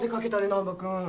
難破君。